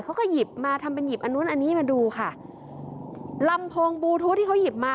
เขาก็หยิบมาทำเป็นหยิบอันนู้นอันนี้มาดูค่ะลำโพงบลูทูธที่เขาหยิบมา